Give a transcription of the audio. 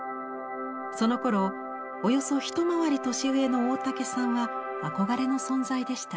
そのころおよそ一回り年上の大竹さんは憧れの存在でした。